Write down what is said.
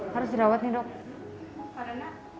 harus ya kainnya harus dirawat ya